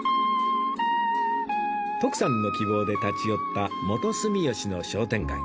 徳さんの希望で立ち寄った元住吉の商店街